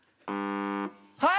はい！